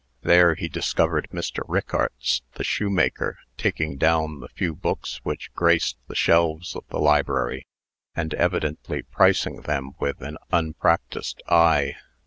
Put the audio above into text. There he discovered Mr. Rickarts, the shoemaker, taking down the few books which graced the shelves of the library, and evidently pricing them with an unpractised eye.